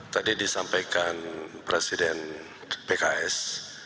tadi disampaikan presiden pks